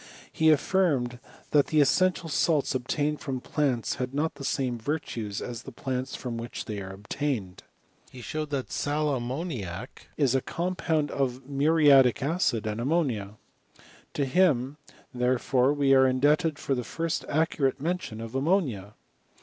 He affirmed, that the essential salts obtained from plants had not the same virtues as the plants from which they are obtained. He showed that sal am VOL. I. X 178 aiSTOXT OF CHEMISTBT* « moniac is a compound of muriatic acid and ammonia. To him, therefore, we are indebted for the first ac curate mention of ammonia.